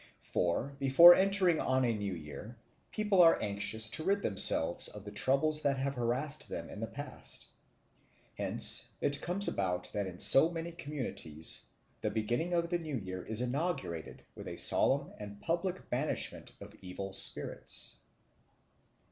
For, before entering on a new year, people are anxious to rid themselves of the troubles that have harassed them in the past; hence it comes about that in so many communities the beginning of the new year is inaugurated with a solemn and public banishment of evil spirits.